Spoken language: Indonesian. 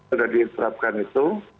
sudah diterapkan itu